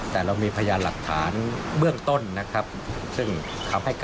ที่ยังยิ่งแยก